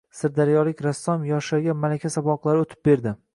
Sirdaryolik rassom yoshlarga malaka saboqlari o‘tib berdi